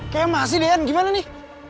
kayaknya masih deyan gimana nih